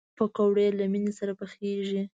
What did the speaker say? پکورې له مینې سره پخېږي